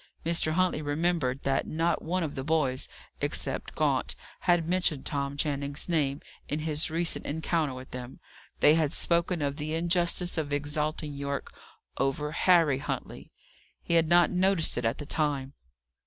Mr. Huntley remembered that not one of the boys, except Gaunt, had mentioned Tom Channing's name in his recent encounter with them; they had spoken of the injustice of exalting Yorke over Harry Huntley. He had not noticed it at the time.